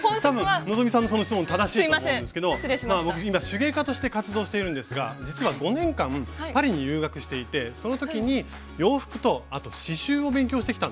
多分希さんのその質問正しいと思うんですけど僕今手芸家として活動しているんですが実は５年間パリに留学していてその時に洋服とあと刺しゅうを勉強してきたんですね。